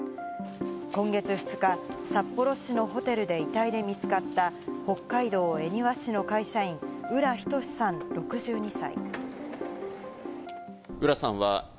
今月２日、札幌市のホテルで遺体が見つかった北海道恵庭市の会社員・浦仁志さん６２歳。